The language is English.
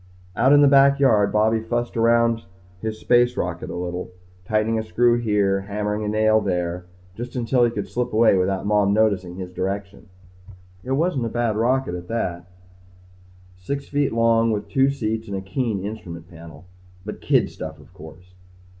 Out in the backyard, Bobby fussed around his space rocket a little: tightening a screw here hammering in a nail there. Just until he could slip away without Mom noticing his direction. It wasn't a bad rocket at that, he thought. Six feet long with two seats and a keen instrument panel. But kid stuff of course.